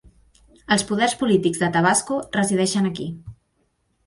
Els poders polítics de Tabasco resideixen aquí.